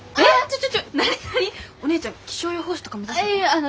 お姉ちゃん気象予報士とか目指すの？